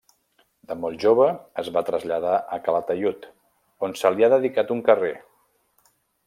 De molt jove es va traslladar a Calataiud, on se li ha dedicat un carrer.